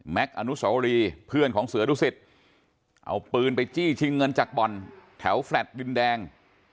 อนุสวรีเพื่อนของเสือดุสิตเอาปืนไปจี้ชิงเงินจากบ่อนแถวแฟลต์ดินแดง